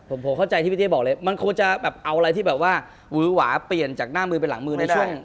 ผมโผล่เข้าใจที่พี่เจบอกเลยมันควรจะเอาอะไรที่แบบววาเปลี่ยนจากหน้ามือไปหลังมือ